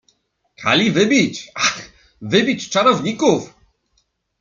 — Kali wybić, ach, wybić czarowników!